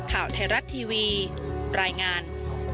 ข่าวเทราทีวีรายงาน